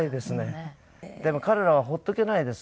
でも彼らは放っておけないです。